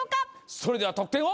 それでは得点を。